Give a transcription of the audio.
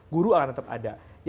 guru akan tetap ada